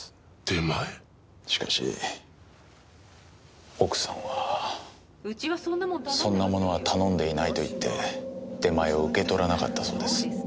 しかし奥さんはそんなものは頼んでいないと言って出前を受け取らなかったそうです。